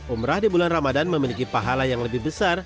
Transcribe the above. umrah di bulan ramadan memiliki pahala yang lebih besar